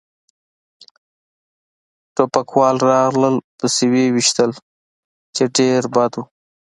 ټوپکوال راغلل پسې و يې ویشتل، چې ډېر بد و.